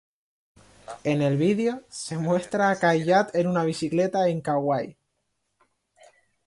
En el vídeo, se muestra a Caillat en una bicicleta en Kauai.